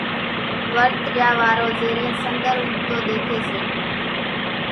ورت ريا وارو زيرين سنۮر اُوڳتو ۮيکي سي،